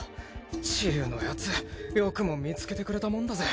チウのヤツよくも見つけてくれたもんだぜ。